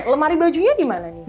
lemari bajunya dimana nih